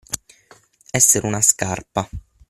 Essere una scarpa.